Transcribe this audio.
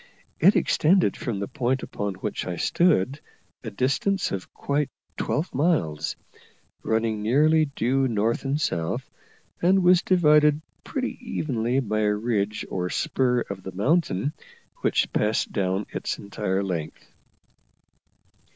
It extended from the point upon which I stood a distance of quite twelve miles, running nearly due north and south, and was divided pretty evenly by a ridge or spur of the mountain, which passed down its entire length.